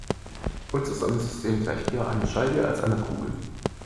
Unser Sonnensystem gleicht eher einer Scheibe als einer Kugel.